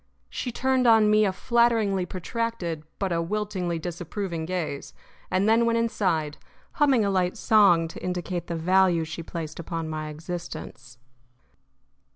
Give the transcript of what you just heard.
She turned on me a flatteringly protracted but a wiltingly disapproving gaze, and then went inside, humming a light song to indicate the value she placed upon my existence.